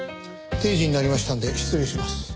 定時になりましたので失礼します。